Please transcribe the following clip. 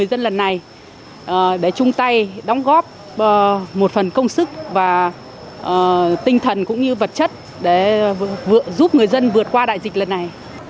để chung tay đóng góp một phần công sức và tinh thần cũng như vật chất để giúp người dân vượt qua đại dịch lần này